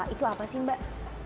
itu apa sih mbak